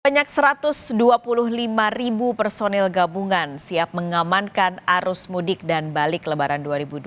banyak satu ratus dua puluh lima ribu personil gabungan siap mengamankan arus mudik dan balik lebaran dua ribu dua puluh